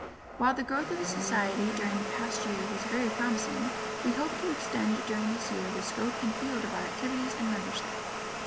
While the growth of the Society during the past year was very promising we hope to extend during this year the scope and field of our activities and membership.